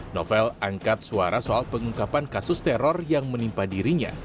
novel angkat suara soal pengungkapan kasus teror yang menimpa dirinya